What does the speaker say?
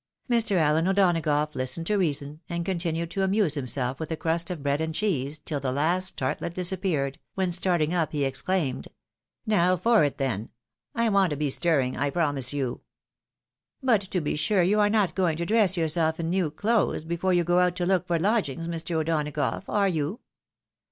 Mr. Allen O'Donagough listened to reason, and continued to amuse himself with a crust of bread and cheese, till the last tartlet disappeared, when starting up he exclaimed, " Now for it, then — I want to be stirring, 1 promise you !"" But to be sure you are not going to dress yourself in new clothes before you go out to look for lodgings, Mr. O'Dona gough, are you?